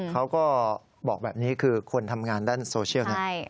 เขาก็บอกแบบนี้คือคนทำงานด้านโซเชียลเนี่ย